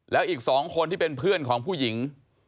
แล้วอีก๒คนที่เป็นเพื่อนของผู้หญิง